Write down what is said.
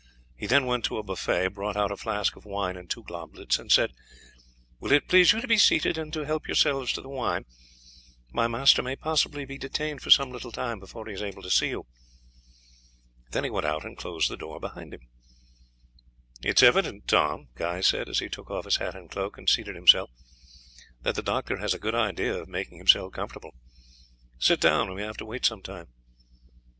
He then went to a buffet, brought out a flask of wine and two goblets, and said: "Will it please you to be seated and to help yourselves to the wine; my master may possibly be detained for some little time before he is able to see you." Then he went out and closed the door behind him. "It is evident, Tom," Guy said, as he took off his hat and cloak, and seated himself, "that the doctor has a good idea of making himself comfortable. Sit down, we may have to wait some time."